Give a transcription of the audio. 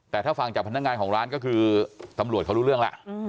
แต่ถ้าฟังจากพนักงานของร้านก็คือตำรวจเขารู้เรื่องล่ะ